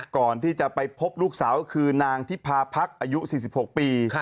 ก่อนที่จะไปพบลูกสาวก็คือนางทิพาพักอายุ๔๖ปี